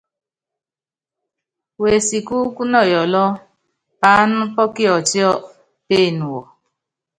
Wesikúúkú nɔ Yɔɔlɔ, paána pɔ́ Kiɔtiɔ péene wɔ.